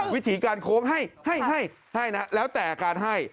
วิธีการโค้งให้ให้นะแล้วแต่การให้